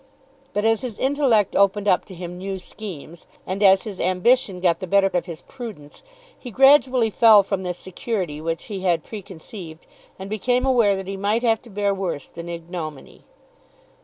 But as his intellect opened up to him new schemes, and as his ambition got the better of his prudence, he gradually fell from the security which he had preconceived, and became aware that he might have to bear worse than ignominy.